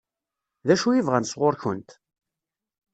D acu i bɣan sɣur-kent?